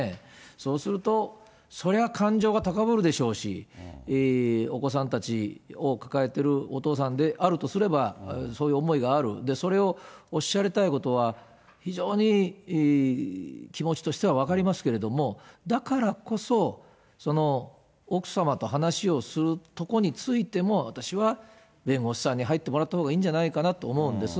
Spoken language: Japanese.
そうすると、そりゃ感情が高ぶるでしょうし、お子さんたちを抱えてるお父さんであるとすれば、そういう思いがある、それをおっしゃりたいことは非常に気持ちとしては分かりますけれども、だからこそ、奥様と話をするとこについても、私は弁護士さんに入ってもらったほうがいいんじゃないかなと思うんです。